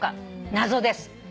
謎です」